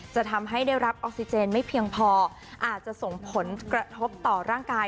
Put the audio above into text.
จะทำให้ได้รับออกซิเจนไม่เพียงพออาจจะส่งผลกระทบต่อร่างกาย